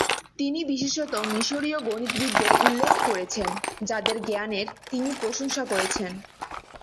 তিনি বিশেষত মিশরীয় গণিতবিদদের উল্লেখ করেছেন, যাদের জ্ঞানের তিনি প্রশংসা করেছেন।